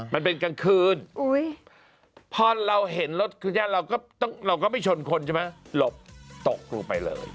มันเป็นกลางคืนพอเราเห็นรถคือญาติเราก็ไม่ชนคนใช่ไหมหลบตกลงไปเลย